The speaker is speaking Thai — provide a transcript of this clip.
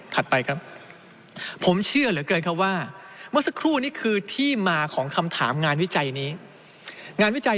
ไปครับผมเชื่อเหลือเกินครับว่าเมื่อสักครู่นี่คือที่มาของคำถามงานวิจัยนี้งานวิจัย